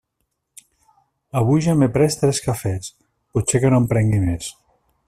Avui ja m'he pres tres cafès, potser que no en prengui més.